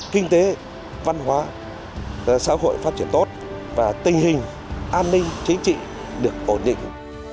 kinh tế văn hóa xã hội phát triển tốt và tình hình an ninh chính trị được ổn định